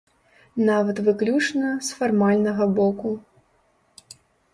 Нават выключна з фармальнага боку.